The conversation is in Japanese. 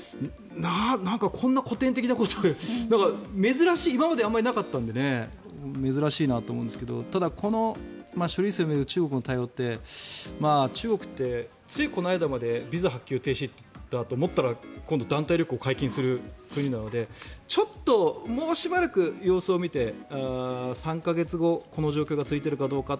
なんか、こんな古典的なことで今までなかったので珍しいなと思いますがただ、この処理水を巡る中国の対応って中国ってついこの間までビザ発給停止だと思ったら今度は団体旅行を解禁する国なのでちょっともうしばらく様子を見て３か月後、この状況が続いているかどうか。